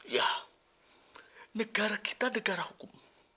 ya negara kita negara hukum